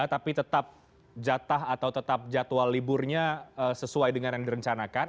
tapi tetap jatah atau tetap jadwal liburnya sesuai dengan yang direncanakan